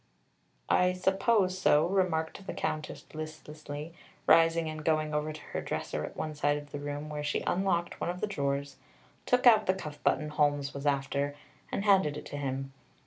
"I suppose so," remarked the Countess listlessly, rising and going over to her dresser at one side of the room, where she unlocked one of the drawers, took out the cuff button Holmes was after, and handed it to him.